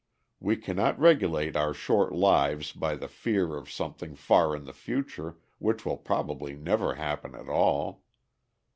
We cannot regulate our short lives by the fear of something far in the future which will probably never happen at all.